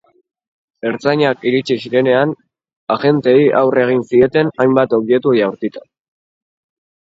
Ertzainak iritsi zirenean, agenteei aurre egin zieten, hainbat objektu jaurtita.